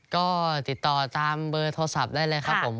ก็ติดต่อตามเบอร์โทรศัพท์ได้เลยครับผม